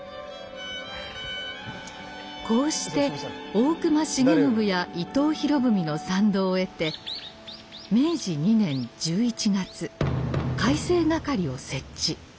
こうして大隈重信や伊藤博文の賛同を得て明治二年十一月改正掛を設置。